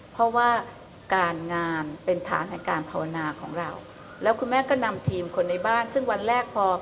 เพราะว่าการงานเป็นฐานแห่งการภาวนาของเราแล้วคุณแม่ก็นำทีมคนในบ้านซึ่งวันแรกพอ